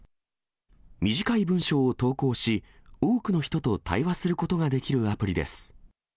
短い文章を投稿し、多くの人と対話することができるアプリです。